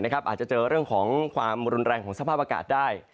อาจจะเจอเรื่องของความรุนแรงของสภาพอากาศได้